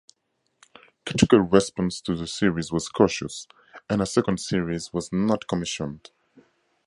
Critical response to the series was cautious, and a second series was not commissioned.